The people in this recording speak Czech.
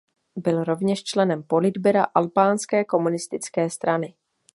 Byl rovněž členem politbyra albánské komunistické strany.